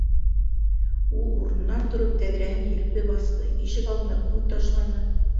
Ул урынынан тороп, тәҙрәһен һирпеп асты, ишек алдына күҙ ташланы.